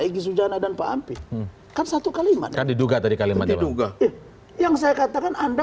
egy sujana dan pak ampi kan satu kalimat kan diduga tadi kalimat diduga yang saya katakan anda